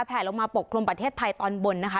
แผลลงมาปกคลุมประเทศไทยตอนบนนะคะ